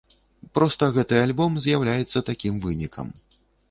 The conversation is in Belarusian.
Проста гэты альбом з'яўляецца такім вынікам.